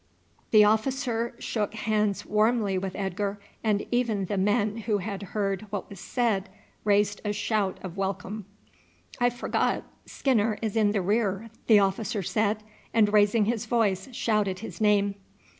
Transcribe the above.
The officer shook hands warmly with Edgar, and even the men who had heard what was said raised a shout of welcome. "I forgot; Skinner is in the rear," the officer said; and raising his voice shouted his name.